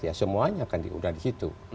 ya semuanya akan diudah di situ